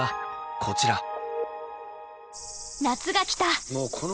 夏が来た！